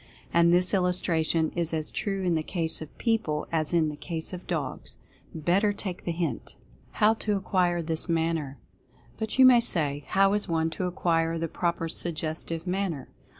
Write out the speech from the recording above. And this illustration is as true in the case of people as in the case of dogs. Better take the hint ! 2io Mental Fascination HOW TO ACQUIRE THIS MANNER. But, you may say, how is one to acquire the proper Suggestive Manner?